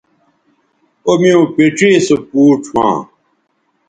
او میوں پڇے سو پوڇ ھواں